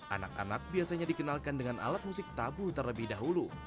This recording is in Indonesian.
anak anak biasanya dikenalkan dengan alat musik tabu terlebih dahulu